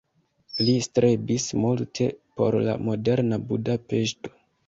Li strebis multe por la moderna Budapeŝto.